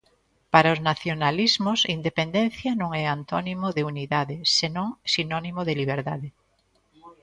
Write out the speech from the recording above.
Para os nacionalismos, independencia non é antónimo de unidade senón sinónimo de liberdade.